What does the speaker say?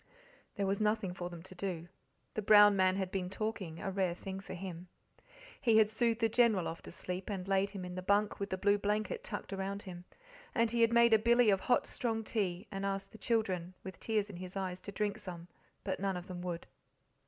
There was nothing for them to do. The brown man had been talking a rare thing for him. He had soothed the General off to sleep, and laid him in the bunk with the blue blanket tucked around him. And he had made a billy of hot strong tea, and asked the children, with tears in his eyes, to drink some, but none of them would.